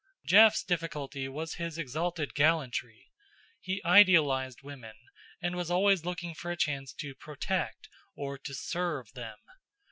Jeff's difficulty was his exalted gallantry. He idealized women, and was always looking for a chance to "protect" or to "serve" them.